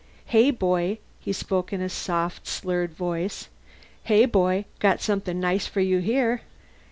"Hey, boy." He spoke in a soft slurred voice. "Hey, boy. Got something nice for you here."